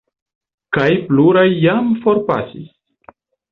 Kaj pluraj jam forpasis.